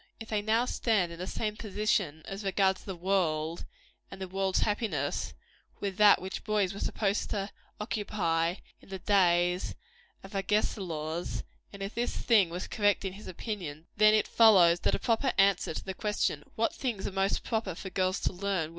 If they now stand in the same position, as regards the world and the world's happiness, with that which boys were supposed to occupy in the days of Agesilaus, and if this thing was correct in his opinion, then it follows that a proper answer to the question, What things are most proper for girls to learn?